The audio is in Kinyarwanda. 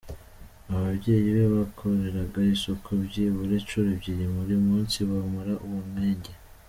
Ababyeyi be bakoreraga isuku byibura inshuro ebyiri buri munsi, bomora uwo mwenge.